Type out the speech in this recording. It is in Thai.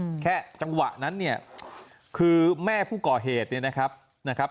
อืมแค่จังหวะนั้นเนี่ยคือแม่ผู้ก่อเหตุเนี่ยนะครับนะครับ